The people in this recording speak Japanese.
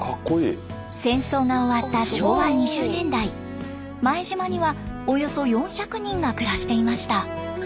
戦争が終わった昭和２０年代前島にはおよそ４００人が暮らしていました。